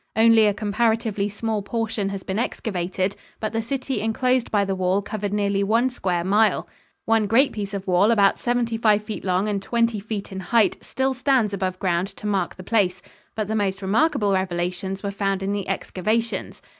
Only a comparatively small portion has been excavated, but the city enclosed by the wall covered nearly one square mile. One great piece of wall about seventy five feet long and twenty feet in height still stands above ground to mark the place, but the most remarkable revelations were found in the excavations.